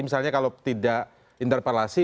misalnya kalau tidak interpelasi